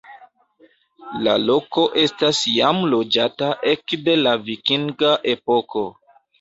La loko estas jam loĝata ekde la vikinga epoko.